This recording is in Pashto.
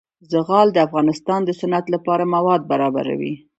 زغال د افغانستان د صنعت لپاره مواد برابروي.